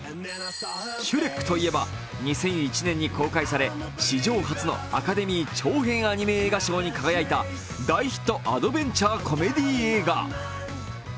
「シュレック」といえば、２００１年に公開され史上初のアカデミー長編アニメ映画賞に輝いた、大ヒットアドベンチャーコメディー映画。